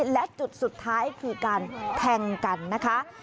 และจุดสุดท้ายคือการแทงกันนะคะ